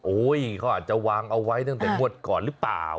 เขาอาจจะวางเอาไว้ตั้งแต่งวดก่อนหรือเปล่า